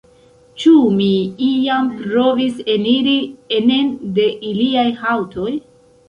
Ĉu mi iam provis eniri enen de iliaj haŭtoj?